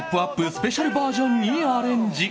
スペシャルバージョンにアレンジ。